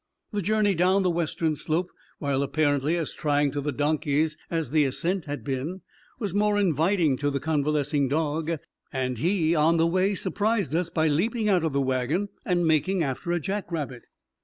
The journey down the western slope, while apparently as trying to the donkeys as the ascent had been, was more inviting to the convalescing dog, and he on the way surprised us by leaping out of the wagon and making after a jackrabbit.